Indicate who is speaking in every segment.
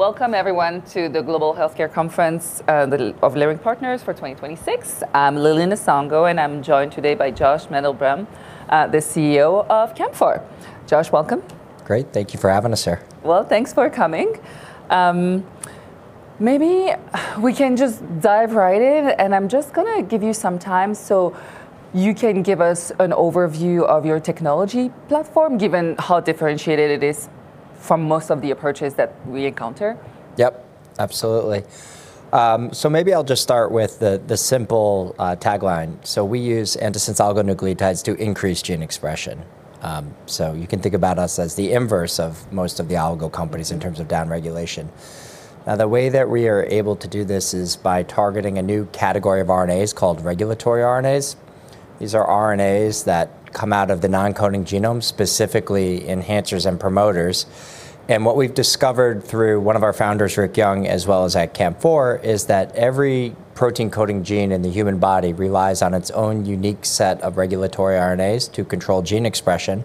Speaker 1: Welcome everyone to the Global Healthcare Conference of Leerink Partners for 2026. I'm Lili Nsongo, and I'm joined today by Josh Mandel-Brehm, the CEO of CAMP4. Josh, welcome.
Speaker 2: Great. Thank you for having us here.
Speaker 1: Well, thanks for coming. Maybe we can just dive right in. I'm just gonna give you some time so you can give us an overview of your technology platform, given how differentiated it is from most of the approaches that we encounter.
Speaker 2: Yep, absolutely. Maybe I'll just start with the simple tagline. We use antisense oligonucleotides to increase gene expression. You can think about us as the inverse of most of the oligo companies in terms of downregulation. The way that we are able to do this is by targeting a new category of RNAs called regulatory RNAs. These are RNAs that come out of the non-coding genome, specifically enhancers and promoters. What we've discovered through one of our founders, Richard Young, as well as at CAMP4, is that every protein coding gene in the human body relies on its own unique set of regulatory RNAs to control gene expression.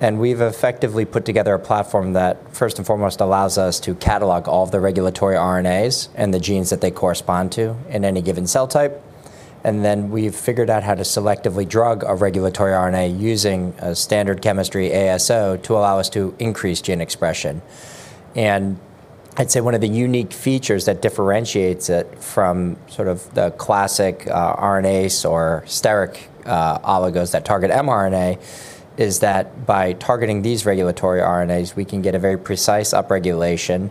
Speaker 2: We've effectively put together a platform that first and foremost allows us to catalog all of the regulatory RNAs and the genes that they correspond to in any given cell type. Then we've figured out how to selectively drug a regulatory RNA using a standard chemistry ASO to allow us to increase gene expression. I'd say one of the unique features that differentiates it from sort of the classic, RNAs or steric, oligos that target mRNA, is that by targeting these regulatory RNAs, we can get a very precise upregulation.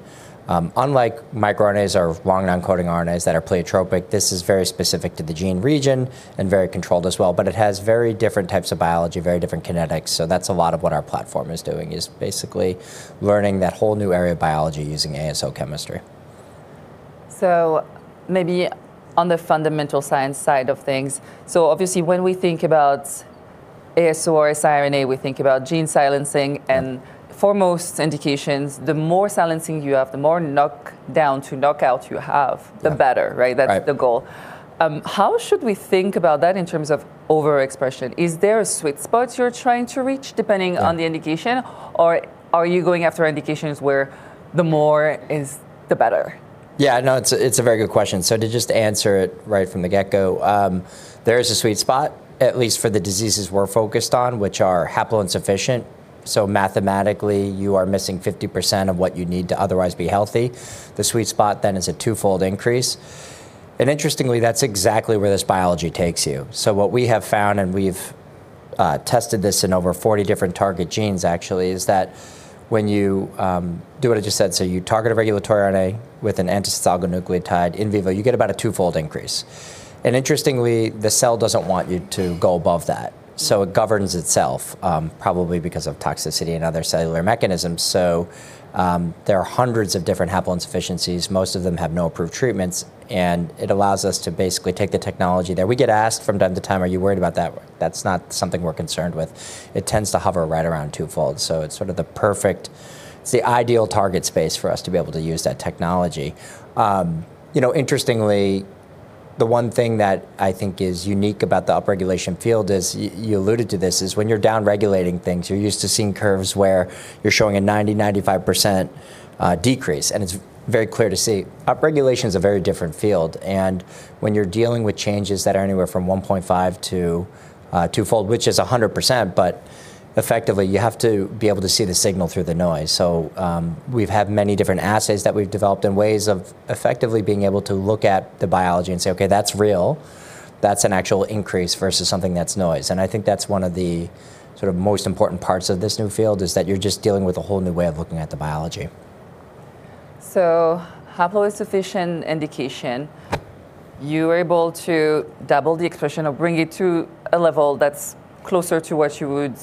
Speaker 2: Unlike microRNAs or long non-coding RNAs that are pleiotropic, this is very specific to the gene region and very controlled as well, but it has very different types of biology, very different kinetics. That's a lot of what our platform is doing, is basically learning that whole new area of biology using ASO chemistry.
Speaker 1: Maybe on the fundamental science side of things. Obviously, when we think about ASO or siRNA, we think about gene silencing and-
Speaker 2: Yeah....
Speaker 1: for most indications, the more silencing you have, the more knock down to knock out you have-
Speaker 2: Yeah.
Speaker 1: ...the better, right?
Speaker 2: Right.
Speaker 1: That's the goal. How should we think about that in terms of overexpression? Is there a sweet spot you're trying to reach?
Speaker 2: Yeah....
Speaker 1: the indication, or are you going after indications where the more is the better?
Speaker 2: Yeah, no, it's a very good question. To just answer it right from the get-go, there is a sweet spot, at least for the diseases we're focused on, which are haploinsufficient. Mathematically, you are missing 50% of what you need to otherwise be healthy. The sweet spot then is a twofold increase. Interestingly, that's exactly where this biology takes you. What we have found, and we've tested this in over 40 different target genes actually, is that when you do what I just said, so you target a regulatory RNA with an antisense oligonucleotide in vivo, you get about a twofold increase. Interestingly, the cell doesn't want you to go above that. It governs itself, probably because of toxicity and other cellular mechanisms. There are hundreds of different haploinsufficiencies. Most of them have no approved treatments, it allows us to basically take the technology there. We get asked from time to time, "Are you worried about that?" That's not something we're concerned with. It tends to hover right around 2-fold, so it's sort of the ideal target space for us to be able to use that technology. You know, interestingly, the one thing that I think is unique about the upregulation field is, you alluded to this, when you're downregulating things, you're used to seeing curves where you're showing a 90%, 95% decrease, it's very clear to see. Upregulation is a very different field, when you're dealing with changes that are anywhere from 1.5 to 2-fold, which is 100%, but effectively you have to be able to see the signal through the noise. We've had many different assays that we've developed and ways of effectively being able to look at the biology and say, "Okay, that's real. That's an actual increase versus something that's noise." I think that's one of the sort of most important parts of this new field, is that you're just dealing with a whole new way of looking at the biology.
Speaker 1: Haploinsufficient indication, you're able to double the expression or bring it to a level that's closer to what you would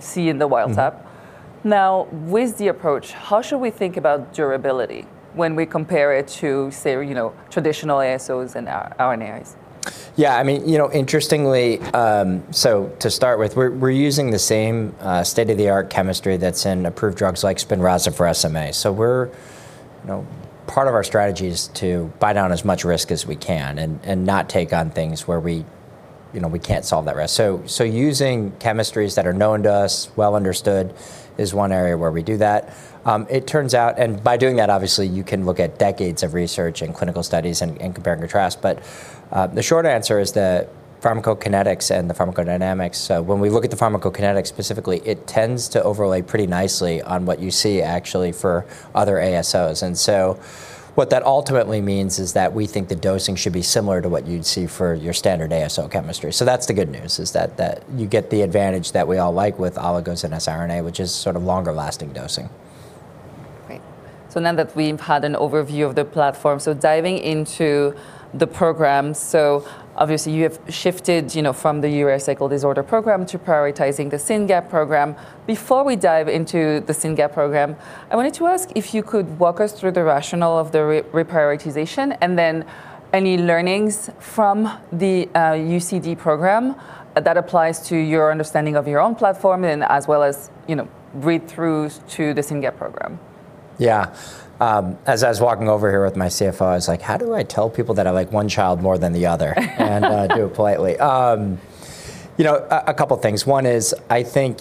Speaker 1: see in the wild type.
Speaker 2: Mm-hmm.
Speaker 1: Now, with the approach, how should we think about durability when we compare it to, say, you know, traditional ASOs and RNAs?
Speaker 2: Yeah, I mean, you know, interestingly, to start with, we're using the same state-of-the-art chemistry that's in approved drugs like SPINRAZA for SMA. We're, you know... Part of our strategy is to buy down as much risk as we can and not take on things where we, you know, we can't solve that risk. Using chemistries that are known to us, well understood is one area where we do that. It turns out and by doing that, obviously, you can look at decades of research and clinical studies and compare and contrast. The short answer is the pharmacokinetics and the pharmacodynamics. When we look at the pharmacokinetics specifically, it tends to overlay pretty nicely on what you see actually for other ASOs. What that ultimately means is that we think the dosing should be similar to what you'd see for your standard ASO chemistry. That's the good news, is that you get the advantage that we all like with oligos and siRNA, which is sort of longer lasting dosing.
Speaker 1: Great. Now that we've had an overview of the platform, diving into the program. Obviously, you have shifted, you know, from the urea cycle disorder program to prioritizing the SYNGAP1 program. Before we dive into the SYNGAP1 program, I wanted to ask if you could walk us through the rationale of the reprioritization, and then any learnings from the UCD program that applies to your understanding of your own platform and as well as, you know, read through to the SYNGAP1 program.
Speaker 2: Yeah. As I was walking over here with my CFO, I was like, "How do I tell people that I like one child more than the other and do it politely?" You know, a couple things. One is I think,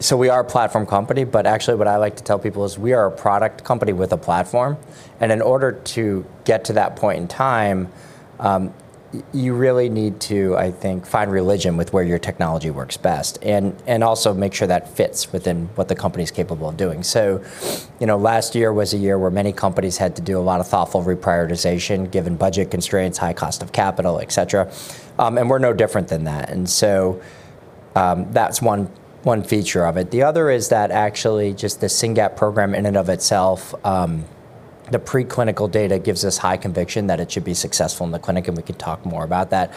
Speaker 2: so we are a platform company, but actually what I like to tell people is we are a product company with a platform, and in order to get to that point in time, you really need to, I think, find religion with where your technology works best and also make sure that fits within what the company's capable of doing. You know, last year was a year where many companies had to do a lot of thoughtful reprioritization given budget constraints, high cost of capital, et cetera, and we're no different than that. That's one feature of it. The other is that actually just the SYNGAP1 program in and of itself, the preclinical data gives us high conviction that it should be successful in the clinic, and we can talk more about that.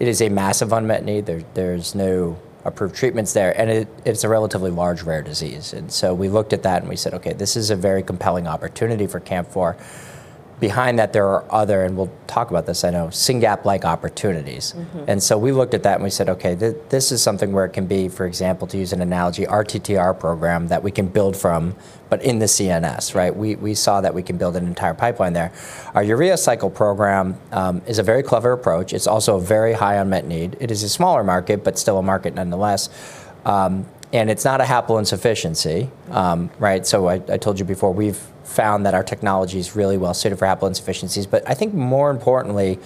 Speaker 2: It is a massive unmet need. There's no approved treatments there, and it's a relatively large rare disease. We looked at that and we said, "Okay, this is a very compelling opportunity for CAMP4." Behind that, there are other, and we'll talk about this, I know, SYNGAP1-like opportunities.
Speaker 1: Mm-hmm.
Speaker 2: We looked at that and we said, "Okay, this is something where it can be, for example, to use an analogy, TTR program that we can build from but in the CNS," right? We saw that we could build an entire pipeline there. Our urea cycle program is a very clever approach. It's also a very high unmet need. It is a smaller market, but still a market nonetheless, and it's not a haploinsufficiency, right? I told you before, we've found that our technology's really well suited for haploinsufficiencies, but I think more importantly,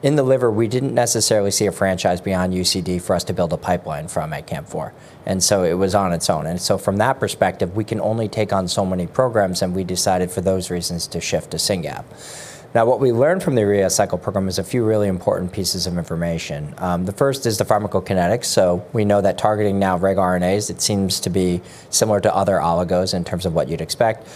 Speaker 2: in the liver, we didn't necessarily see a franchise beyond UCD for us to build a pipeline from at CAMP4. It was on its own. From that perspective, we can only take on so many programs, and we decided for those reasons to shift to SYNGAP1. What we learned from the urea cycle program is a few really important pieces of information. The first is the pharmacokinetics, so we know that targeting now regRNAs, it seems to be similar to other oligos in terms of what you'd expect.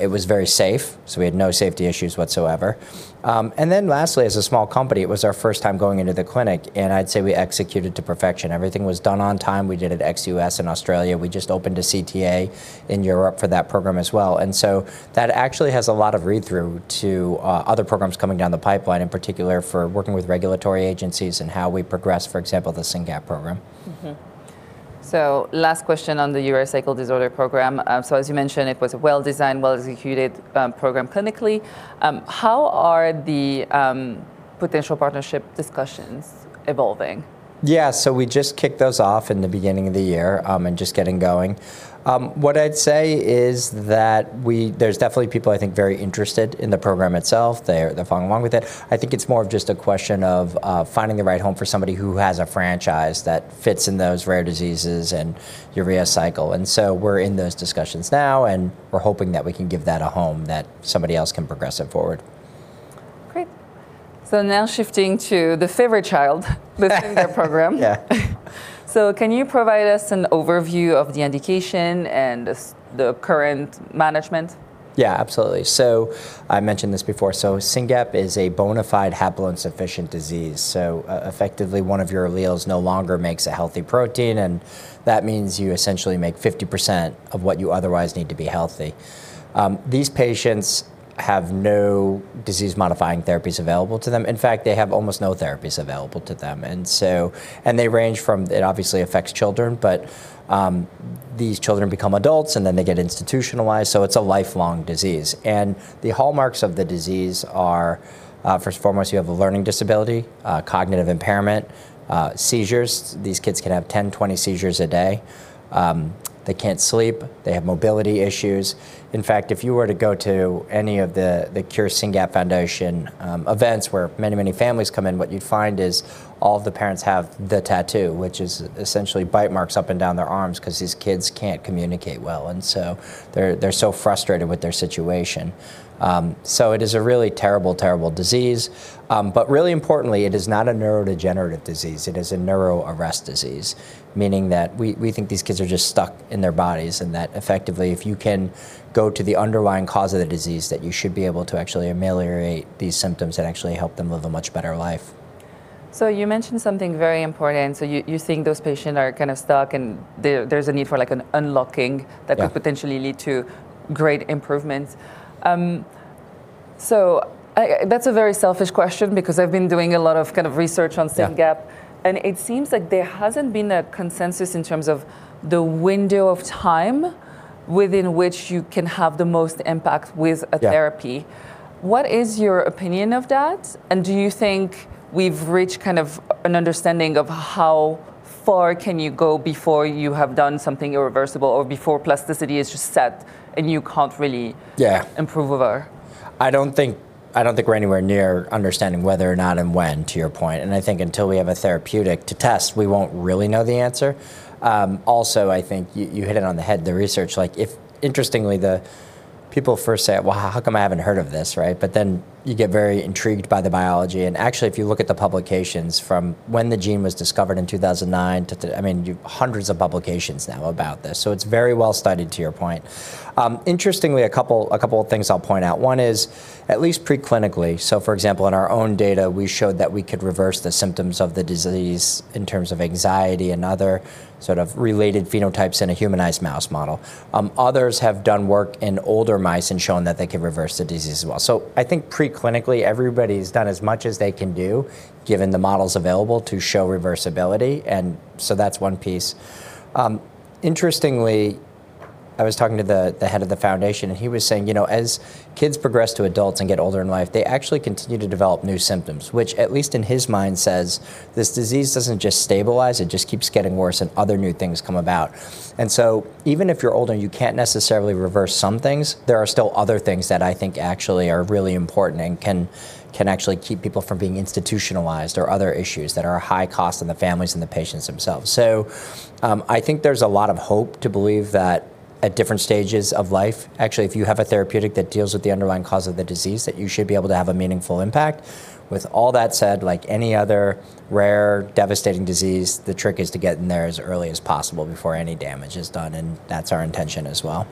Speaker 2: It was very safe, so we had no safety issues whatsoever. Lastly, as a small company, it was our first time going into the clinic, and I'd say we executed to perfection. Everything was done on time. We did it ex-US, in Australia. We just opened a CTA in Europe for that program as well. That actually has a lot of read-through to other programs coming down the pipeline, in particular for working with regulatory agencies and how we progress, for example, the SYNGAP1 program.
Speaker 1: Last question on the urea cycle disorder program? As you mentioned, it was a well-designed, well-executed program clinically. How are the potential partnership discussions evolving?
Speaker 2: We just kicked those off in the beginning of the year, and just getting going. What I'd say is that there's definitely people I think very interested in the program itself. They're following along with it. I think it's more of just a question of finding the right home for somebody who has a franchise that fits in those rare diseases and urea cycle. We're in those discussions now, and we're hoping that we can give that a home, that somebody else can progress it forward.
Speaker 1: Great. Now shifting to the favorite child, the SYNGAP1 program.
Speaker 2: Yeah.
Speaker 1: Can you provide us an overview of the indication and the current management?
Speaker 2: Absolutely. I mentioned this before. SYNGAP1 is a bona fide haploinsufficient disease. Effectively, one of your alleles no longer makes a healthy protein, that means you essentially make 50% of what you otherwise need to be healthy. These patients have no disease-modifying therapies available to them. In fact, they have almost no therapies available to them. They range from it obviously affects children, but these children become adults, and then they get institutionalized, so it's a lifelong disease. The hallmarks of the disease are, first and foremost, you have a learning disability, cognitive impairment, seizures. These kids can have 10, 20 seizures a day. They can't sleep. They have mobility issues. In fact, if you were to go to any of the Cure SYNGAP1 Foundation events where many families come in, what you'd find is all of the parents have the tattoo, which is essentially bite marks up and down their arms 'cause these kids can't communicate well, and so they're so frustrated with their situation. It is a really terrible disease. Really importantly, it is not a neurodegenerative disease. It is a neuroarrest disease, meaning that we think these kids are just stuck in their bodies, and that effectively, if you can go to the underlying cause of the disease, that you should be able to actually ameliorate these symptoms and actually help them live a much better life.
Speaker 1: You mentioned something very important. You, you think those patients are kind of stuck and there's a need for, like, an unlocking-
Speaker 2: Yeah
Speaker 1: ...that could potentially lead to great improvements. I, that's a very selfish question because I've been doing a lot of kind of research on SYNGAP1.
Speaker 2: Yeah.
Speaker 1: It seems like there hasn't been a consensus in terms of the window of time within which you can have the most impact with a therapy.
Speaker 2: Yeah.
Speaker 1: What is your opinion of that? Do you think we've reached kind of an understanding of how far can you go before you have done something irreversible or before plasticity is just set and you can't really?
Speaker 2: Yeah
Speaker 1: improve over?
Speaker 2: I don't think we're anywhere near understanding whether or not and when, to your point. I think until we have a therapeutic to test, we won't really know the answer. Also, I think you hit it on the head, the research, like, interestingly, the people first say, "Well, how come I haven't heard of this," right? You get very intrigued by the biology, and actually, if you look at the publications from when the gene was discovered in 2009 to, I mean, you've hundreds of publications now about this, so it's very well studied, to your point. Interestingly, a couple things I'll point out. One is at least preclinically, for example, in our own data, we showed that we could reverse the symptoms of the disease in terms of anxiety and other sort of related phenotypes in a humanized mouse model. Others have done work in older mice and shown that they can reverse the disease as well. I think preclinically, everybody's done as much as they can do given the models available to show reversibility. That's one piece. Interestingly, I was talking to the head of the foundation, he was saying, you know, as kids progress to adults and get older in life, they actually continue to develop new symptoms, which at least in his mind says this disease doesn't just stabilize, it just keeps getting worse, and other new things come about. Even if you're older and you can't necessarily reverse some things, there are still other things that I think actually are really important and can actually keep people from being institutionalized or other issues that are a high cost on the families and the patients themselves. I think there's a lot of hope to believe that at different stages of life, actually if you have a therapeutic that deals with the underlying cause of the disease, that you should be able to have a meaningful impact. With all that said, like any other rare, devastating disease, the trick is to get in there as early as possible before any damage is done, and that's our intention as well.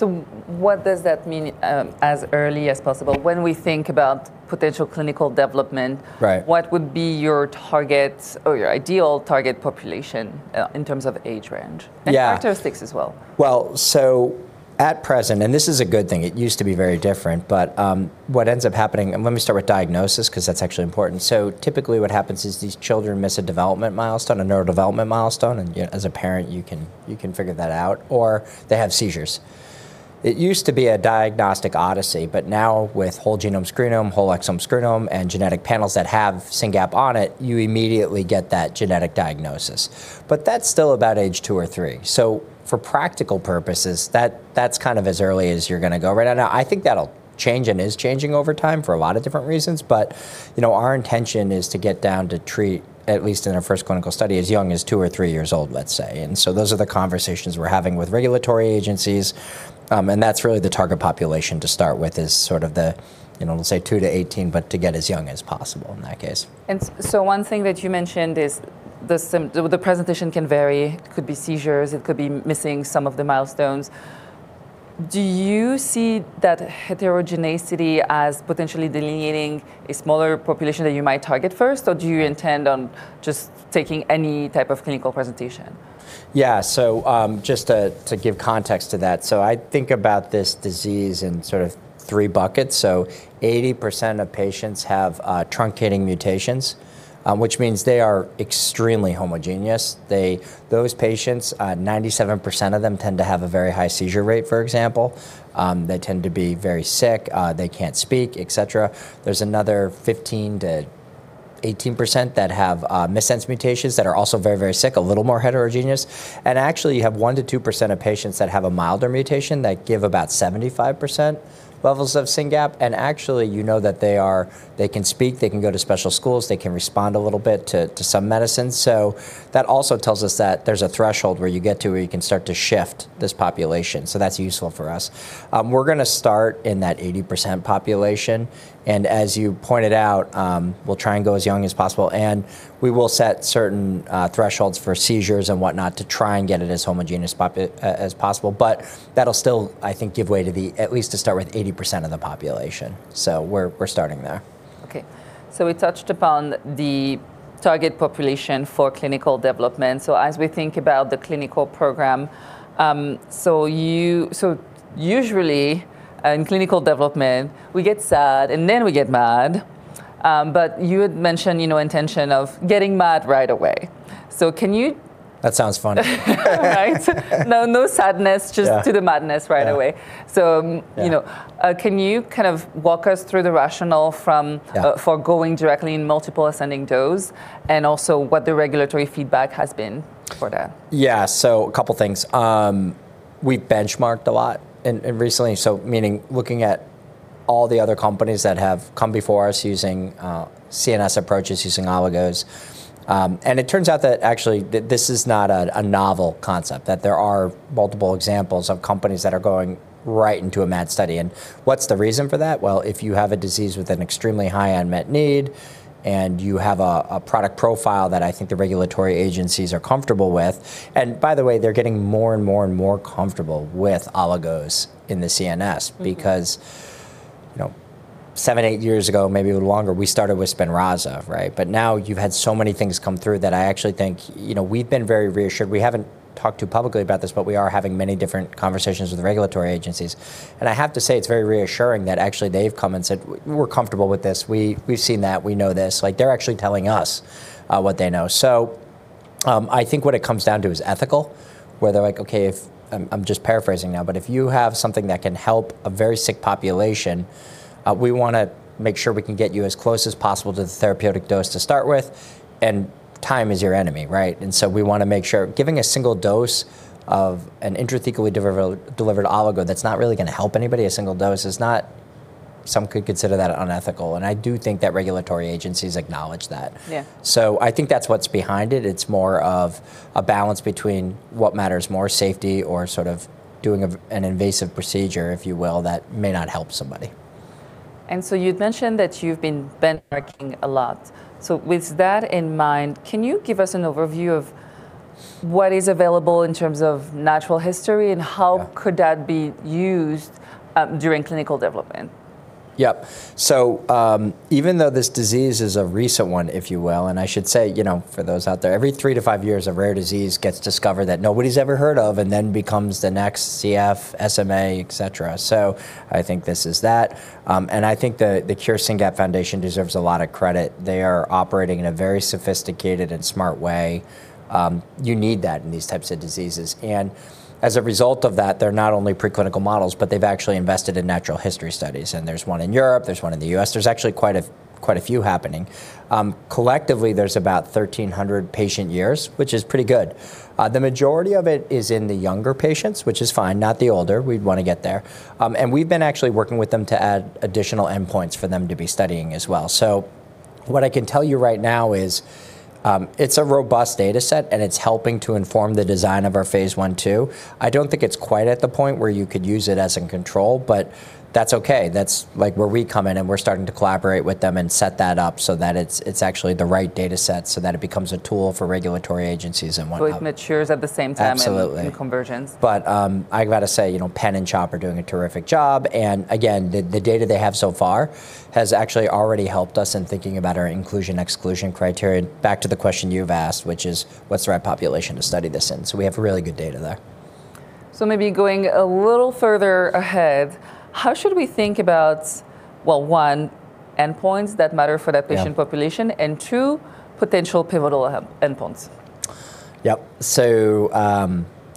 Speaker 1: What does that mean, as early as possible? When we think about potential clinical development.
Speaker 2: Right...
Speaker 1: what would be your target or your ideal target population, in terms of age range?
Speaker 2: Yeah
Speaker 1: Characteristics as well?
Speaker 2: At present, and this is a good thing, it used to be very different, but what ends up happening... Let me start with diagnosis, 'cause that's actually important. Typically what happens is these children miss a development milestone, a neurodevelopment milestone, as a parent you can figure that out, or they have seizures. It used to be a diagnostic odyssey, but now with whole genome sequencing, whole exome sequencing, and genetic panels that have SYNGAP1 on it, you immediately get that genetic diagnosis. That's still about age 2 or 3. For practical purposes, that's kind of as early as you're gonna go. Right now, I think that'll change and is changing over time for a lot of different reasons, but, you know, our intention is to get down to treat, at least in our first clinical study, as young as 2 or 3 years old, let's say. Those are the conversations we're having with regulatory agencies, and that's really the target population to start with is sort of the, you know, we'll say 2 to 18, but to get as young as possible in that case.
Speaker 1: So one thing that you mentioned is the presentation can vary. It could be seizures, it could be missing some of the milestones. Do you see that heterogeneity as potentially delineating a smaller population that you might target first, or do you intend on just taking any type of clinical presentation?
Speaker 2: Just to give context to that, I think about this disease in sort of three buckets. 80% of patients have truncating mutations, which means they are extremely homogeneous. Those patients, 97% of them tend to have a very high seizure rate, for example. They tend to be very sick, they can't speak, et cetera. There's another 15%-18% that have missense mutations that are also very, very sick, a little more heterogeneous. Actually you have 1%-2% of patients that have a milder mutation that give about 75% levels of SYNGAP1. Actually you know that they can speak, they can go to special schools, they can respond a little bit to some medicines. That also tells us that there's a threshold where you get to where you can start to shift this population. That's useful for us. We're gonna start in that 80% population, and as you pointed out, we'll try and go as young as possible. We will set certain thresholds for seizures and whatnot to try and get it as homogeneous as possible. That'll still, I think, give way to the, at least to start with, 80% of the population. We're starting there.
Speaker 1: Okay. We touched upon the target population for clinical development. As we think about the clinical program, usually in clinical development we get SAD and then we get MAD, but you had mentioned, you know, intention of getting MAD right away. Can you-
Speaker 2: That sounds fun.
Speaker 1: Right? No, no sadness.
Speaker 2: Yeah.
Speaker 1: Just to the madness right away.
Speaker 2: Yeah.
Speaker 1: You know.
Speaker 2: Yeah...
Speaker 1: can you kind of walk us through the rationale?
Speaker 2: Yeah...
Speaker 1: for going directly in multiple ascending dose, and also what the regulatory feedback has been for that?
Speaker 2: Couple things. We've benchmarked a lot in recently, meaning looking at all the other companies that have come before us using CNS approaches, using oligos. It turns out that actually this is not a novel concept, that there are multiple examples of companies that are going right into a MAD study. What's the reason for that? If you have a disease with an extremely high unmet need, and you have a product profile that I think the regulatory agencies are comfortable with... By the way, they're getting more and more and more comfortable with oligos in the CNS-
Speaker 1: Mm-hmm...
Speaker 2: because, you know, seven, eight years ago, maybe even longer, we started with SPINRAZA, right? Now you've had so many things come through that I actually think, you know, we've been very reassured. We haven't talked too publicly about this, but we are having many different conversations with the regulatory agencies, and I have to say it's very reassuring that actually they've come and said, "We're comfortable with this. We've seen that. We know this." Like, they're actually telling us what they know. I think what it comes down to is ethical, where they're like, okay, I'm just paraphrasing now, but if you have something that can help a very sick population, we wanna make sure we can get you as close as possible to the therapeutic dose to start with, and time is your enemy, right? We wanna make sure. Giving a single dose of an intrathecally delivered oligo that's not really gonna help anybody. Some could consider that unethical, and I do think that regulatory agencies acknowledge that.
Speaker 1: Yeah.
Speaker 2: I think that's what's behind it. It's more of a balance between what matters more, safety or sort of doing an invasive procedure, if you will, that may not help somebody.
Speaker 1: You'd mentioned that you've been benchmarking a lot. With that in mind, can you give us an overview of what is available in terms of natural history?
Speaker 2: Yeah...
Speaker 1: and how could that be used, during clinical development?
Speaker 2: Even though this disease is a recent one, if you will, and I should say, you know, for those out there, every three to five years, a rare disease gets discovered that nobody's ever heard of and then becomes the next CF, SMA, et cetera. I think this is that. I think the CURE SYNGAP1 Foundation deserves a lot of credit. They are operating in a very sophisticated and smart way. You need that in these types of diseases. As a result of that, they're not only preclinical models, but they've actually invested in natural history studies, and there's one in Europe, there's one in the U.S., there's actually Quite a few happening. Collectively, there's about 1,300 patient years, which is pretty good. The majority of it is in the younger patients, which is fine, not the older. We'd wanna get there. We've been actually working with them to add additional endpoints for them to be studying as well. What I can tell you right now is, it's a robust data set, and it's helping to inform the design of our Phase 1/2. I don't think it's quite at the point where you could use it as in control, but that's okay. That's, like, where we come in, and we're starting to collaborate with them and set that up so that it's actually the right data set so that it becomes a tool for regulatory agencies and what have you.
Speaker 1: Both matures at the same time.
Speaker 2: Absolutely...
Speaker 1: in conversions.
Speaker 2: I gotta say, you know, Penn and CHOP are doing a terrific job, and again, the data they have so far has actually already helped us in thinking about our inclusion/exclusion criteria, back to the question you've asked, which is, what's the right population to study this in? We have really good data there.
Speaker 1: Maybe going a little further ahead, how should we think about, well, one, endpoints that matter for that?
Speaker 2: Yeah...
Speaker 1: patient population, and 2, potential pivotal endpoints?
Speaker 2: Yep.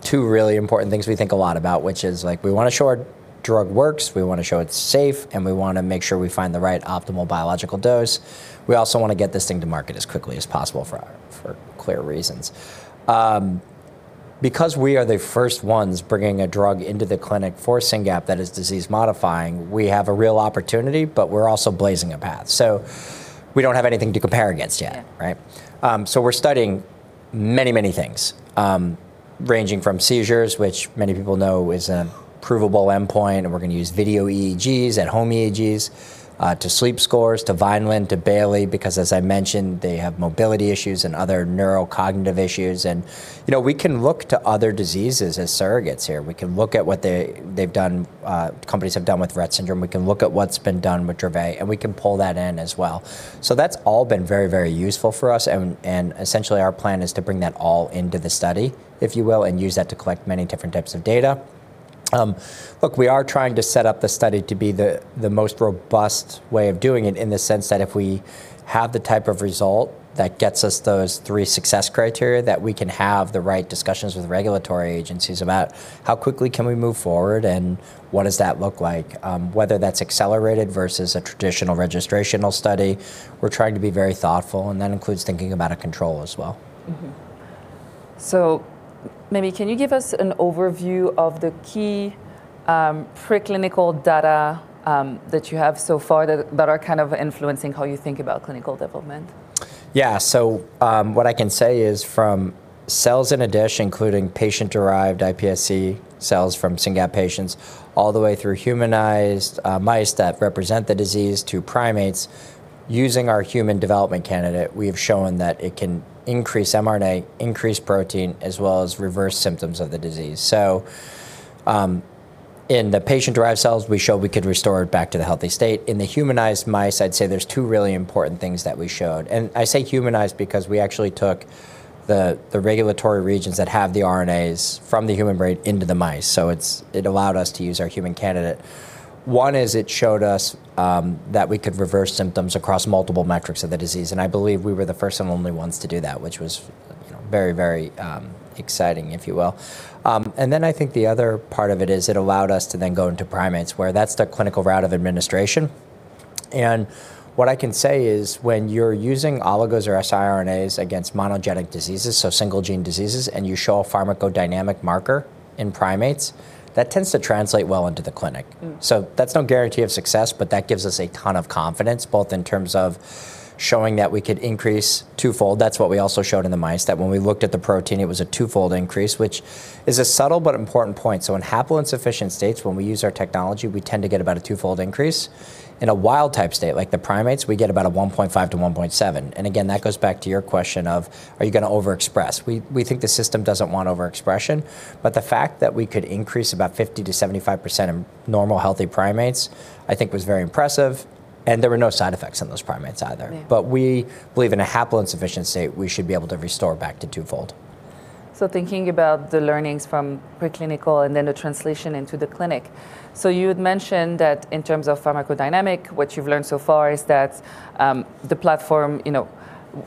Speaker 2: Two really important things we think a lot about, which is, like, we wanna show our drug works, we wanna show it's safe, and we wanna make sure we find the right optimal biological dose. We also wanna get this thing to market as quickly as possible for clear reasons. Because we are the first ones bringing a drug into the clinic for SYNGAP1 that is disease modifying, we have a real opportunity, but we're also blazing a path. We don't have anything to compare against yet.
Speaker 1: Yeah.
Speaker 2: Right? We're studying many, many things, ranging from seizures, which many people know is a provable endpoint, and we're gonna use video EEGs and home EEGs, to sleep scores, to Vineland, to Bayley, because as I mentioned, they have mobility issues and other neurocognitive issues. You know, we can look to other diseases as surrogates here. We can look at what they've done, companies have done with Rett syndrome. We can look at what's been done with Dravet, and we can pull that in as well. That's all been very, very useful for us and essentially our plan is to bring that all into the study, if you will, and use that to collect many different types of data. Look, we are trying to set up the study to be the most robust way of doing it in the sense that if we have the type of result that gets us those three success criteria, that we can have the right discussions with regulatory agencies about how quickly can we move forward, and what does that look like? Whether that's accelerated versus a traditional registrational study, we're trying to be very thoughtful, and that includes thinking about a control as well.
Speaker 1: Maybe can you give us an overview of the key preclinical data that you have so far that are kind of influencing how you think about clinical development?
Speaker 2: Yeah. What I can say is from cells in a dish, including patient-derived iPSC cells from SYNGAP1 patients, all the way through humanized mice that represent the disease to primates, using our human development candidate, we have shown that it can increase mRNA, increase protein, as well as reverse symptoms of the disease. In the patient-derived cells, we showed we could restore it back to the healthy state. In the humanized mice, I'd say there's two really important things that we showed, and I say humanized because we actually took the regulatory regions that have the RNAs from the human brain into the mice, so it allowed us to use our human candidate. One is it showed us that we could reverse symptoms across multiple metrics of the disease, and I believe we were the first and only ones to do that, which was, you know, very, very exciting, if you will. I think the other part of it is it allowed us to then go into primates where that's the clinical route of administration. What I can say is when you're using oligos or siRNA against monogenic diseases, so single gene diseases, and you show a pharmacodynamic marker in primates, that tends to translate well into the clinic.
Speaker 1: Mm.
Speaker 2: That's no guarantee of success, but that gives us a ton of confidence, both in terms of showing that we could increase twofold. That's what we also showed in the mice, that when we looked at the protein, it was a twofold increase, which is a subtle but important point. In haploinsufficient states, when we use our technology, we tend to get about a twofold increase. In a wild type state, like the primates, we get about a 1.5 to 1.7. Again, that goes back to your question of, are you gonna overexpress? We think the system doesn't want overexpression, but the fact that we could increase about 50% to 75% in normal, healthy primates I think was very impressive, and there were no side effects in those primates either.
Speaker 1: Yeah.
Speaker 2: We believe in a haploinsufficient state, we should be able to restore back to twofold.
Speaker 1: Thinking about the learnings from preclinical and then the translation into the clinic, you had mentioned that in terms of pharmacodynamic, what you've learned so far is that the platform, you know,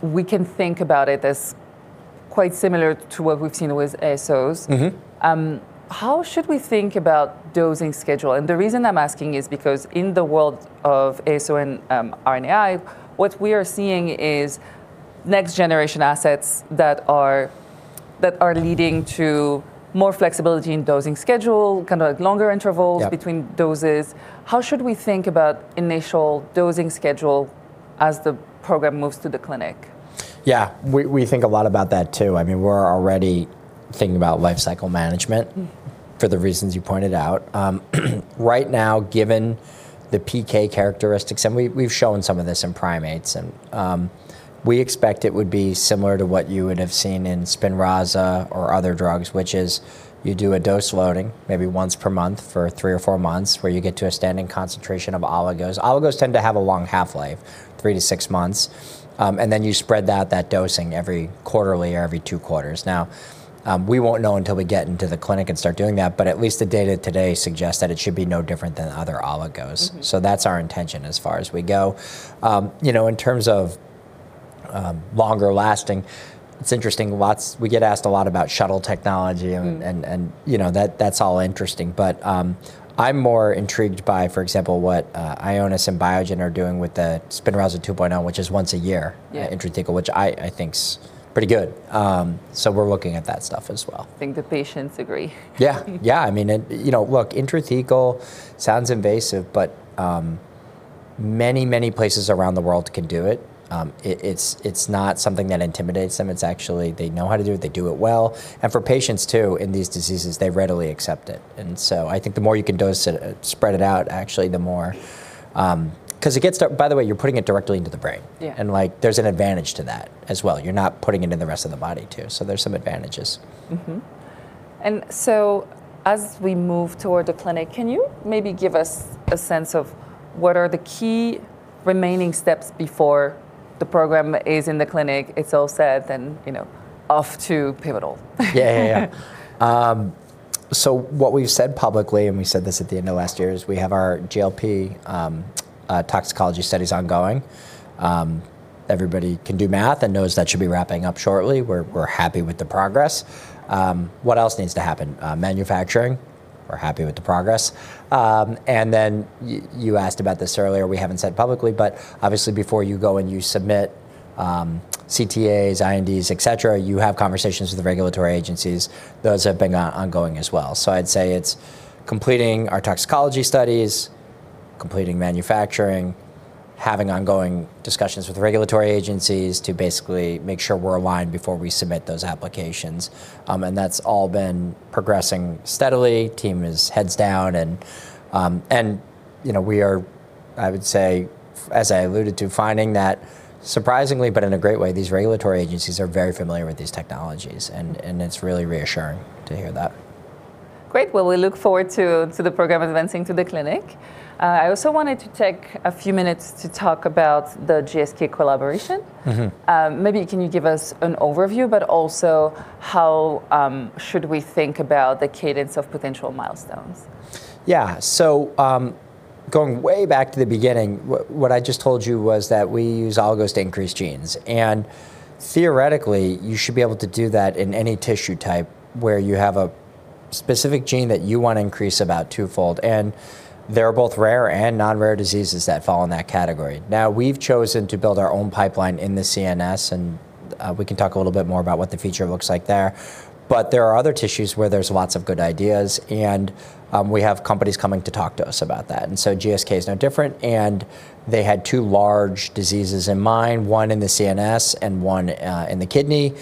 Speaker 1: we can think about it as quite similar to what we've seen with ASOs.
Speaker 2: Mm-hmm.
Speaker 1: How should we think about dosing schedule? The reason I'm asking is because in the world of ASO and RNAi, what we are seeing is next generation assets that are leading to more flexibility in dosing schedule, kind of like longer intervals...
Speaker 2: Yep
Speaker 1: between doses. How should we think about initial dosing schedule as the program moves to the clinic?
Speaker 2: Yeah. We think a lot about that too. I mean, we're already thinking about lifecycle management-
Speaker 1: Mm ...
Speaker 2: for the reasons you pointed out. Right now, given the PK characteristics, and we've shown some of this in primates, and, we expect it would be similar to what you would have seen in SPINRAZA or other drugs, which is you do a dose loading maybe once per month for three or four months, where you get to a standing concentration of oligos. Oligos tend to have a long half-life, three to six months, and then you spread that dosing every quarterly or every two quarters. Now, we won't know until we get into the clinic and start doing that, but at least the data today suggests that it should be no different than other oligos.
Speaker 1: Mm-hmm.
Speaker 2: That's our intention as far as we go. you know, in terms of longer lasting. It's interesting, we get asked a lot about shuttle technology and, you know, that's all interesting. I'm more intrigued by, for example, what Ionis and Biogen are doing with the SPINRAZA 2.0, which is once a year-
Speaker 1: Yeah...
Speaker 2: intrathecal, which I think's pretty good. We're looking at that stuff as well.
Speaker 1: I think the patients agree.
Speaker 2: Yeah. Yeah, I mean, you know, look, intrathecal sounds invasive, but many, many places around the world can do it. It's not something that intimidates them. It's actually they know how to do it, they do it well. For patients too, in these diseases, they readily accept it. I think the more you can dose it, spread it out, actually, the more. By the way, you're putting it directly into the brain.
Speaker 1: Yeah.
Speaker 2: Like, there's an advantage to that as well. You're not putting it in the rest of the body, too. There's some advantages.
Speaker 1: As we move toward the clinic, can you maybe give us a sense of what are the key remaining steps before the program is in the clinic, it's all set, and, you know, off to pivotal?
Speaker 2: Yeah, yeah. What we've said publicly, and we said this at the end of last year, is we have our GLP toxicology studies ongoing. Everybody can do math and knows that should be wrapping up shortly. We're happy with the progress. What else needs to happen? Manufacturing, we're happy with the progress. You asked about this earlier, we haven't said publicly, but obviously before you go and you submit CTAs, INDs, et cetera, you have conversations with the regulatory agencies. Those have been ongoing as well. I'd say it's completing our toxicology studies, completing manufacturing, having ongoing discussions with regulatory agencies to basically make sure we're aligned before we submit those applications. That's all been progressing steadily. Team is heads down and, you know, we are, I would say, as I alluded to, finding that surprisingly, but in a great way, these regulatory agencies are very familiar with these technologies and it's really reassuring to hear that.
Speaker 1: Great. We look forward to the program advancing to the clinic. I also wanted to take a few minutes to talk about the GSK collaboration.
Speaker 2: Mm-hmm.
Speaker 1: Maybe can you give us an overview, but also how should we think about the cadence of potential milestones?
Speaker 2: Going way back to the beginning, what I just told you was that we use oligos to increase genes, and theoretically, you should be able to do that in any tissue type where you have a specific gene that you want to increase about twofold, and there are both rare and non-rare diseases that fall in that category. Now, we've chosen to build our own pipeline in the CNS, and we can talk a little bit more about what the future looks like there. There are other tissues where there's lots of good ideas, and we have companies coming to talk to us about that. GSK is no different. They had two large diseases in mind, one in the CNS and one in the kidney.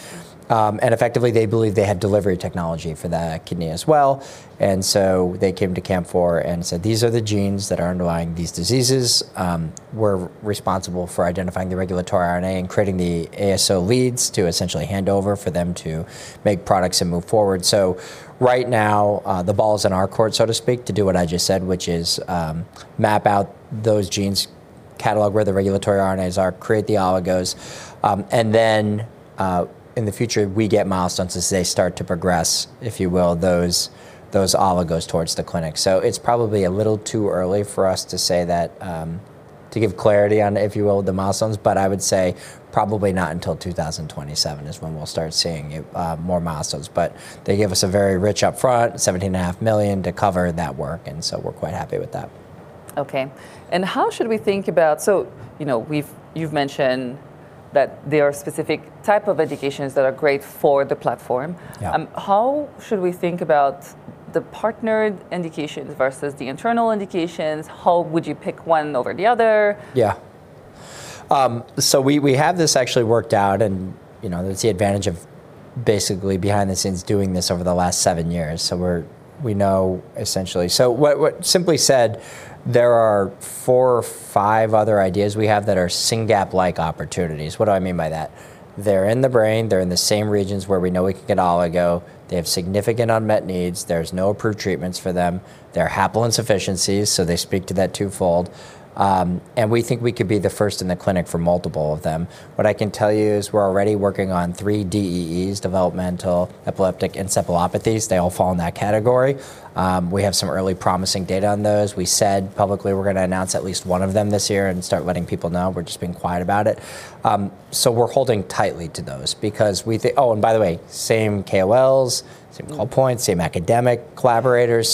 Speaker 2: Effectively, they believed they had delivery technology for the kidney as well. They came to Camp Four and said, "These are the genes that are underlying these diseases." We're responsible for identifying the regulatory RNA and creating the ASO leads to essentially hand over for them to make products and move forward. Right now, the ball's in our court, so to speak, to do what I just said, which is, map out those genes, catalog where the regulatory RNAs are, create the oligos, and then, in the future, we get milestones as they start to progress, if you will, those oligos towards the clinic. It's probably a little too early for us to say that, to give clarity on, if you will, the milestones, but I would say probably not until 2027 is when we'll start seeing it, more milestones. They give us a very rich upfront, $70 and a half million to cover that work, and so we're quite happy with that.
Speaker 1: Okay. How should we think, you know, you've mentioned that there are specific type of indications that are great for the platform.
Speaker 2: Yeah.
Speaker 1: How should we think about the partnered indications versus the internal indications? How would you pick one over the other?
Speaker 2: Yeah. We, we have this actually worked out and, you know, that's the advantage of basically behind the scenes doing this over the last 7 years. We know essentially. Simply said, there are 4 or 5 other ideas we have that are SYNGAP1-like opportunities. What do I mean by that? They're in the brain, they're in the same regions where we know we can get oligo. They have significant unmet needs. There's no approved treatments for them. They're haploinsufficiencies, so they speak to that 2-fold. We think we could be the first in the clinic for multiple of them. What I can tell you is we're already working on 3 DEEs, developmental and epileptic encephalopathies. They all fall in that category. We have some early promising data on those. We said publicly we're gonna announce at least one of them this year and start letting people know. We're just being quiet about it. We're holding tightly to those because we think. Oh, by the way, same KOLs, same call points, same academic collaborators.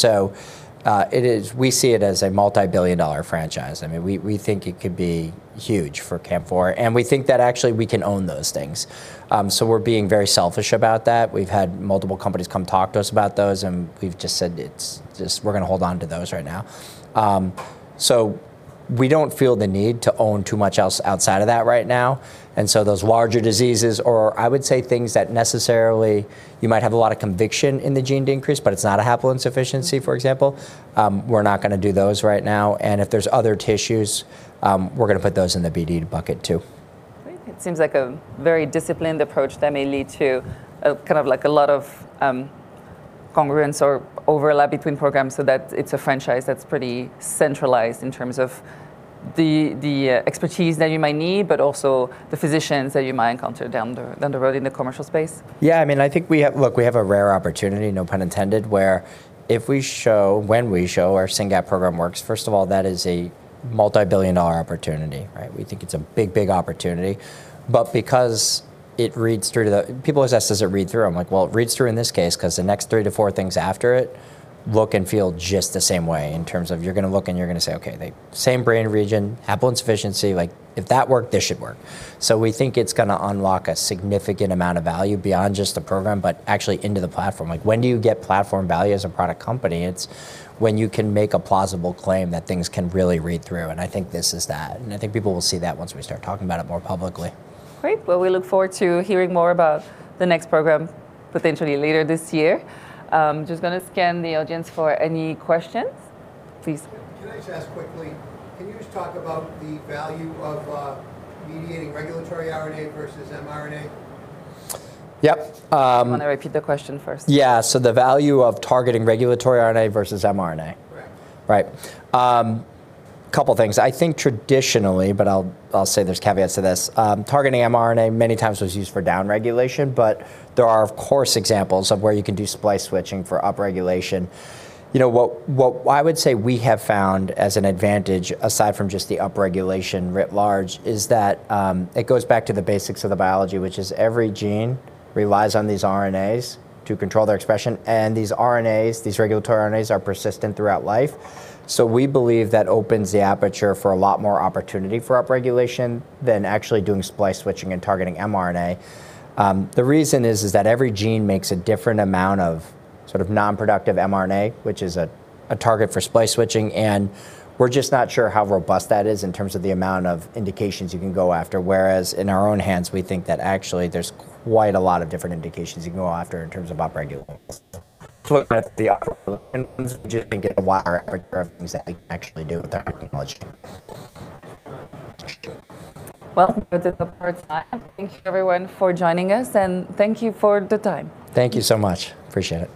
Speaker 2: We see it as a multi-billion dollar franchise. I mean, we think it could be huge for CAMP4, and we think that actually we can own those things. We're being very selfish about that. We've had multiple companies come talk to us about those, and we've just said it's just we're gonna hold on to those right now. We don't feel the need to own too much else outside of that right now. Those larger diseases or I would say things that necessarily you might have a lot of conviction in the gene to increase, but it's not a haploinsufficiency, for example, we're not gonna do those right now. If there's other tissues, we're gonna put those in the BD bucket too.
Speaker 1: Great. It seems like a very disciplined approach that may lead to a kind of like a lot of congruence or overlap between programs so that it's a franchise that's pretty centralized in terms of the expertise that you might need, but also the physicians that you might encounter down the road in the commercial space.
Speaker 2: Yeah. I mean, I think we have Look, we have a rare opportunity, no pun intended, where if we show, when we show our SYNGAP1 program works, first of all, that is a multi-billion dollar opportunity, right? We think it's a big, big opportunity. Because it reads through to the People always ask, "Does it read through?" I'm like, "Well, it reads through in this case 'cause the next three to four things after it look and feel just the same way in terms of you're gonna look and you're gonna say, 'Okay, they Same brain region, haploinsufficiency. Like, if that worked, this should work.'" We think it's gonna unlock a significant amount of value beyond just the program, but actually into the platform. Like, when do you get platform value as a product company? It's when you can make a plausible claim that things can really read through, and I think this is that, and I think people will see that once we start talking about it more publicly.
Speaker 1: Great. Well, we look forward to hearing more about the next program potentially later this year. Just gonna scan the audience for any questions. Please.
Speaker 3: Can I just ask quickly, can you just talk about the value of mediating regulatory RNA versus mRNA?
Speaker 2: Yep.
Speaker 1: You want to repeat the question first?
Speaker 2: Yeah. The value of targeting regulatory RNA versus mRNA.
Speaker 3: Correct.
Speaker 2: Right. Couple things. I think traditionally, but I'll say there's caveats to this, targeting mRNA many times was used for downregulation, but there are of course examples of where you can do splice switching for upregulation. You know, what I would say we have found as an advantage, aside from just the upregulation writ large, is that it goes back to the basics of the biology, which is every gene relies on these RNAs to control their expression, and these RNAs, these regulatory RNAs, are persistent throughout life. We believe that opens the aperture for a lot more opportunity for upregulation than actually doing splice switching and targeting mRNA. The reason is that every gene makes a different amount of sort of non-productive mRNA, which is a target for splice switching, and we're just not sure how robust that is in terms of the amount of indications you can go after. Whereas in our own hands, we think that actually there's quite a lot of different indications you can go after in terms of upregulation.
Speaker 1: Well, thank you everyone for joining us and thank you for the time.
Speaker 2: Thank you so much. Appreciate it.